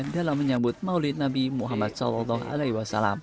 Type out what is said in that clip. dalam menyambut maulid nabi muhammad saw